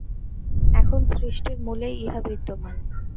এখন সৃষ্টির মূলেই ইহা বিদ্যমান।